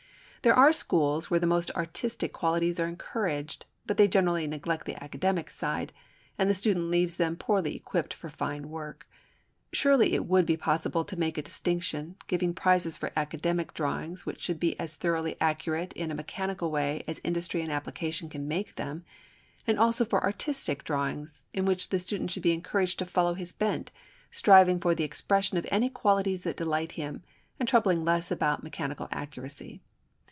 There are schools where the most artistic qualities are encouraged, but they generally neglect the academic side; and the student leaves them poorly equipped for fine work. Surely it would be possible to make a distinction, giving prizes for academic drawings which should be as thoroughly accurate in a mechanical way as industry and application can make them, and also for artistic drawings, in which the student should be encouraged to follow his bent, striving for the expression of any qualities that delight him, and troubling less about mechanical accuracy.